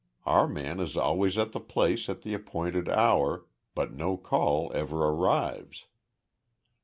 Our man is always at the place at the appointed hour, but no call ever arrives.